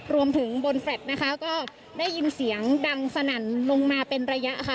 รวมถึงบนแฟลตนะคะก็ได้ยินเสียงดังสนั่นลงมาเป็นระยะค่ะ